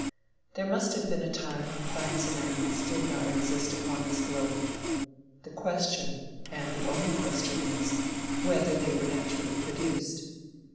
There must have been a time when plants and animals did not exist upon this globe. The question, and the only question is, whether they were naturally produced.